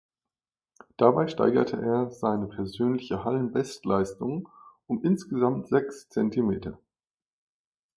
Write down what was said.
Dabei steigerte er seine persönliche Hallenbestleistung um insgesamt sechs Zentimeter.